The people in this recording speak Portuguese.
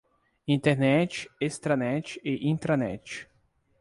Internet, extranet e intranet